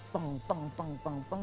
peng peng peng peng peng